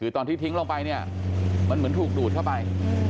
คือตอนที่ทิ้งลงไปเนี่ยมันเหมือนถูกดูดเข้าไป